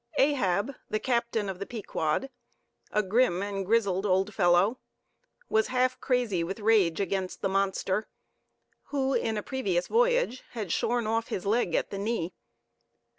Ahab, the captain of the Pequod, a grim and grizzled old fellow, was half crazy with rage against the monster, who in a previous voyage had shorn off his leg at the knee.